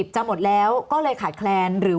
สำหรับกำลังการผลิตหน้ากากอนามัย